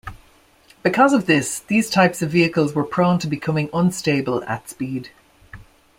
Because of this, these types of vehicles were prone to becoming unstable at speed.